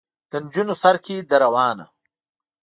د نجونو سر کې ده روانه.